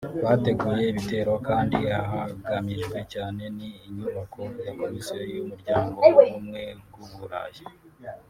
Bateguye ibitero kandi ahagamijwe cyane ni inyubako ya Komisiyo y’Umuryango w’Ubumwe bw’u Burayi